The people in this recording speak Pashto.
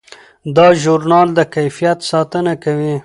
دا ژورنال د کیفیت ساتنه کوي.